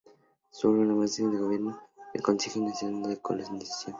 Su órgano máximo de gobierno era el Consejo Nacional de Colonización.